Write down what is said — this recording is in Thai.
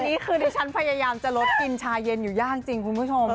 นี่คือดิฉันพยายามจะลดกินชาเย็นอยู่ย่างจริงคุณผู้ชม